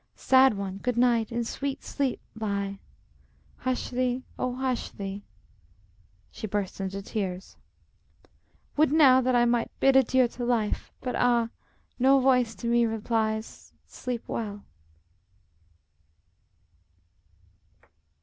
Sad one, good night! in sweet sleep lie! Hush thee, oh, hush thee! [She bursts into tears.] Would now that I might bid adieu to life; But, ah! no voice to me replies, "Sleep well!"